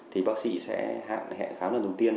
thì bác sĩ sẽ hẹn khám lần đầu tiên